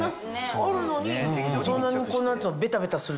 あるのにそんなに。